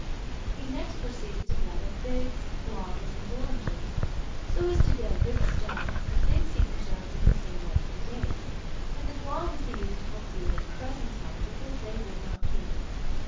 He next proceeded to gather figs, guavas, and oranges, so as to get a good stock; the figs he preserved in the same way as the dates, and the guavas he used for food at the present time, because they would not keep.